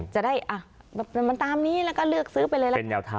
จะได้อะมันตามนี้แหละแล้วก็เลือกซื้อไปเลย